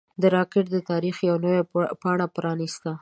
راکټ د تاریخ یوه نوې پاڼه پرانیسته